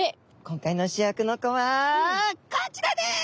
今回の主役の子はこちらです！